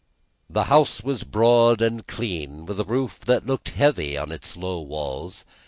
The house was broad and clean, with a roof that looked heavy on its low walls.